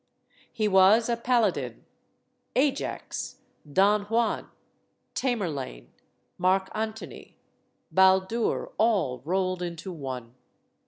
He was a paladin Ajax, Don Juan, Tamerlane, Mark Antony, Baldur, all rolled into one.